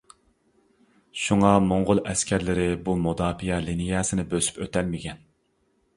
شۇڭا موڭغۇل ئەسكەرلىرى بۇ مۇداپىئە لىنىيەسىنى بۆسۈپ ئۆتەلمىگەن.